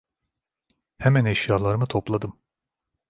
Hemen eşyalarımı topladım.